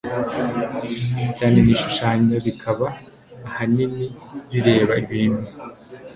cyane n'ishushanya. bikaba ahanini bireba ibintu